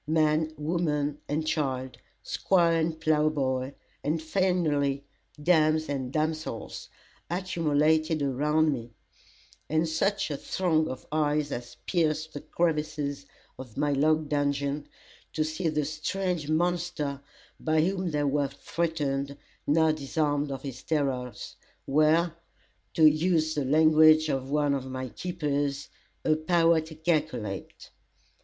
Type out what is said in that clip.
Man, woman and child, Squire and ploughboy, and, finally, dames and damsels, accumulated around me, and such a throng of eyes as pierced the crevices of my log dungeon, to see the strange monster by whom they were threatened, now disarmed of his terrors, were, to use the language of one of my keepers "a power to calkilate."